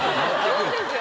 そうですよ